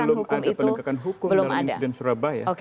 belum ada penegakan hukum dalam insiden surabaya